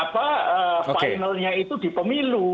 finalnya itu di pemilu